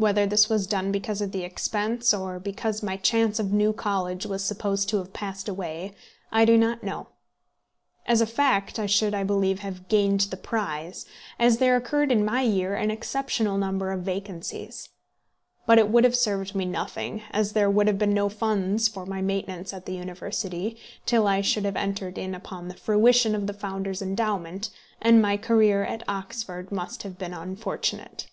Whether this was done because of the expense, or because my chance of New College was supposed to have passed away, I do not know. As a fact, I should, I believe, have gained the prize, as there occurred in my year an exceptional number of vacancies. But it would have served me nothing, as there would have been no funds for my maintenance at the University till I should have entered in upon the fruition of the founder's endowment, and my career at Oxford must have been unfortunate.